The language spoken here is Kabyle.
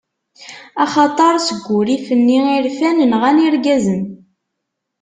Axaṭer seg urrif-nni i rfan, nɣan irgazen;